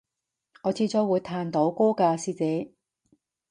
我遲早會彈到歌㗎師姐